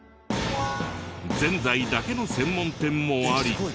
ぜんざいだけの専門店もあり。